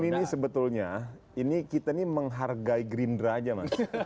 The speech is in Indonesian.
mas ini sebetulnya ini kita menghargai gerindra aja mas